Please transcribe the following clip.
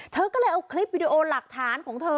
เธอก็เลยเอาคลิปวิดีโอหลักฐานของเธอ